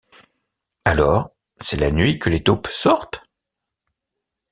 Alors, c’est la nuit que les taupes sortent ?